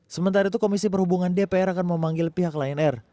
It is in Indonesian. sementara itu komisi perhubungan dpr akan memanggil pihak lion air